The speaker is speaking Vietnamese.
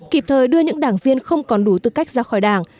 kịp thời đưa những đảng viên không còn đủ tư cách ra khỏi đảng